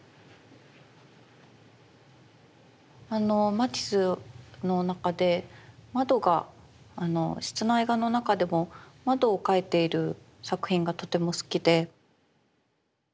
マティスの中で窓が室内画の中でも窓を描いている作品がとても好きで。